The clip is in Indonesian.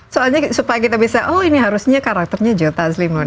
soalnya supaya kita bisa oh ini harusnya karakternya joe taslim